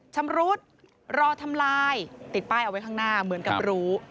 ชำรุดรอทำลายติดป้ายเอาไว้ข้างหน้าเหมือนกับรู้